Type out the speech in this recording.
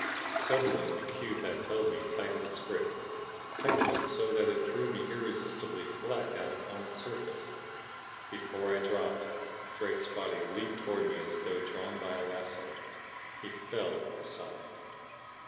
Suddenly the cube that held me tightened its grip; tightened it so that it drew me irresistibly flat down upon its surface. Before I dropped, Drake's body leaped toward me as though drawn by a lasso. He fell at my side.